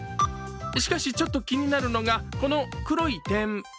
しかし、ちょっと気になるのがこの黒い点。